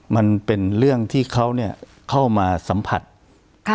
มันเป็นเรื่องที่เขาเนี่ยเข้ามาสัมผัสค่ะ